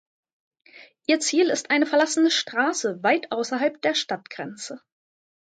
Ihr Ziel ist eine verlassene Straße weit außerhalb der Stadtgrenze.